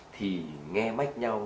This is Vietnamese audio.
thì nghe mách nhau